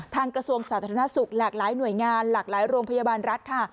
ทางกระทรวงสาธุนาศุกร์หลากหลายหน่วยงานหลากหลายโรงพยาบาลรัฐ